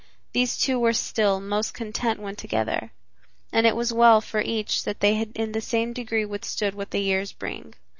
These two were still most content when together, and it was well for each that they had in the same degree withstood what the years bring.